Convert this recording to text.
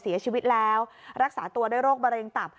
เสียชีวิตแล้วรักษาตัวด้วยโรคมะเร็งตับ